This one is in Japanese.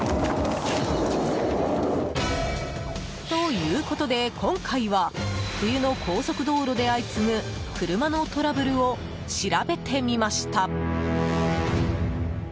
ということで今回は冬の高速道路で相次ぐ車のトラブルを調べてみました。